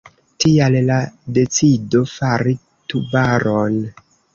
Tial la decido fari Tubaron.